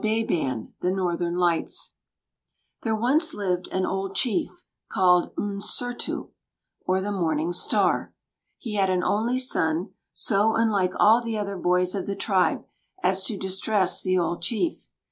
WAWBĀBAN, THE NORTHERN LIGHTS There once lived an old chief, called "M'Sūrtū," or the Morning Star. He had an only son, so unlike all the other boys of the tribe as to distress the old chief.